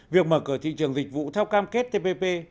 việc mở cửa thị trường dịch vụ theo cam kết tpp